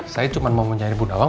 saya cuma mau mencari bu nawang